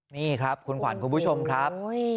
นี่ครับคุณขวัญคุณผู้ชมครับ